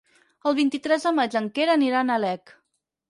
El vint-i-tres de maig en Quer anirà a Nalec.